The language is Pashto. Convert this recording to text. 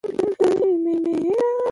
جبار : خېرت خو به وي نورګله